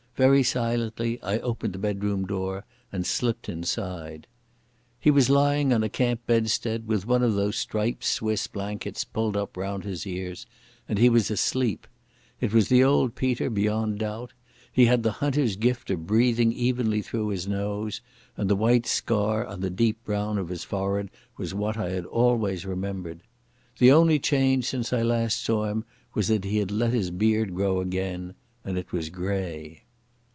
Very silently I opened the bedroom door and slipped inside. He was lying on a camp bedstead with one of those striped Swiss blankets pulled up round his ears, and he was asleep. It was the old Peter beyond doubt. He had the hunter's gift of breathing evenly through his nose, and the white scar on the deep brown of his forehead was what I had always remembered. The only change since I last saw him was that he had let his beard grow again, and it was grey.